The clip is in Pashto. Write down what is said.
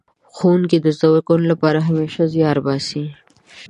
ښوونکي د زده کوونکو لپاره همېشه زيار باسي.